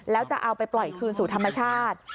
แล้วจะเอาไปปล่อยคืนสู่ธรรมชาติ